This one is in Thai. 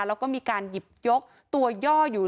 แล้วก็มีการหยิบยกตัวย่ออยู่